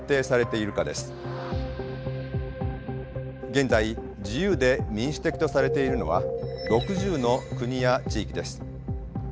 現在自由で民主的とされているのは６０の国や地域です。